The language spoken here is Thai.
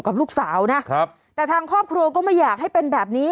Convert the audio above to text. กับลูกสาวนะครับแต่ทางครอบครัวก็ไม่อยากให้เป็นแบบนี้